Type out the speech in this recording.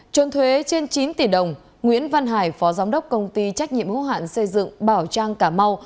trôn thuế trên chín tỷ đồng nguyễn văn hải phó giám đốc công ty trách nhiệm hữu hạn xây dựng bảo trang cà mau